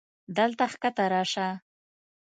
دلته کښته راسه.